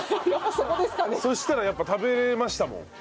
そしたらやっぱ食べれましたもん。